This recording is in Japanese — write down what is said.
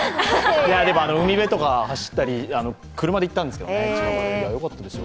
でも海辺とか走ったり、車で行ったんですが、よかったですよ。